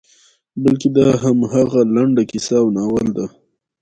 بلکې دا همغه لنډه کیسه او ناول ده.